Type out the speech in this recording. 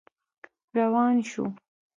روان شو.